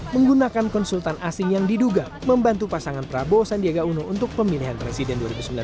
menggunakan konsultan asing yang diduga membantu pasangan prabowo sandiaga uno untuk pemilihan presiden dua ribu sembilan belas